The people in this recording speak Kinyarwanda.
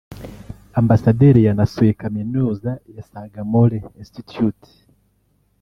Ambasaderi yanasuye Kaminuza ya Sagamore Institute